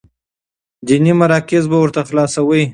ديني مراکز به ورته خلاصوي،